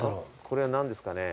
これは何ですかね？